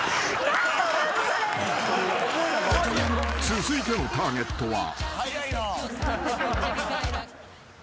［続いてのターゲットは］